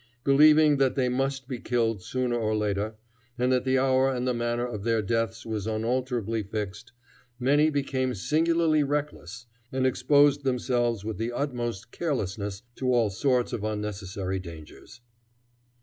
Believing that they must be killed sooner or later, and that the hour and the manner of their deaths were unalterably fixed, many became singularly reckless, and exposed themselves with the utmost carelessness to all sorts of unnecessary dangers.